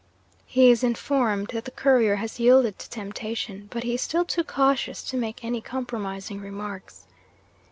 'He is informed that the Courier has yielded to temptation; but he is still too cautious to make any compromising remarks.